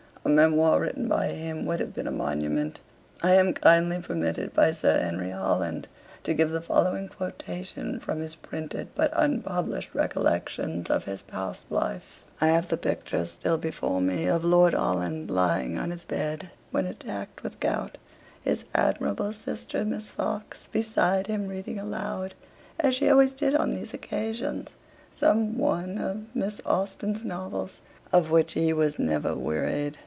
A memoir written by him would have been a monument. I am kindly permitted by Sir Henry Holland to give the following quotation from his printed but unpublished recollections of his past life: 'I have the picture still before me of Lord Holland lying on his bed, when attacked with gout, his admirable sister, Miss Fox, beside him reading aloud, as she always did on these occasions, some one of Miss Austen's novels, of which he was never wearied.